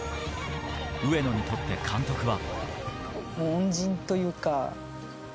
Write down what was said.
上野にとって監督は。